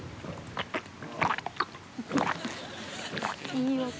いい音。